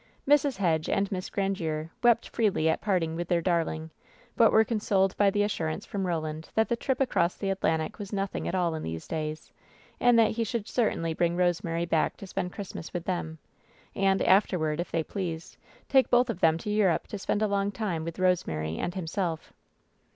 Mrs. Hedge and Miss Gran diere wept freely at* parting with their darling, but were consoled by the assurance from Roland that the trip across the Atlantic was nothing at all in these days, and that he should certainly bring Rosemary back to spend Christmas with them, and afterward, if they pleased, take both of them to Europe to spend a long time with Rosemary and himself.